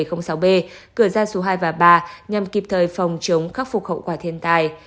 cửa gia số hai và ba nhằm kịp thời phòng chống khắc phục khẩu quả thiên tài